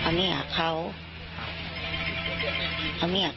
เพราะไม่เคยถามลูกสาวนะว่าไปทำธุรกิจแบบไหนอะไรยังไง